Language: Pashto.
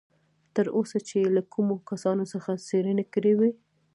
تر اوسه چې یې له کومو کسانو څخه څېړنې کړې وې.